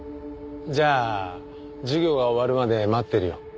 じゃあ授業が終わるまで待ってるよ。